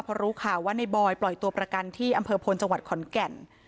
พอรู้ข่าวว่าในบอยปล่อยตัวประกันที่อำเภอพลจังหวัดขอนแก่น